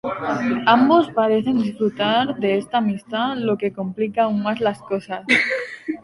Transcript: Ambos parecen disfrutar de esta amistad lo que complica aún más las cosas.